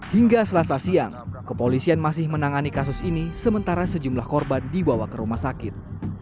hingga selasa siang kepolisian masih menangani kasus ini sementara sejumlah korban dibawa ke rumah sakit